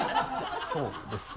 そうですね。